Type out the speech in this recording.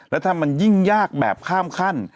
แล้วถ้ามันยิ่งยากแบบข้ามขั้น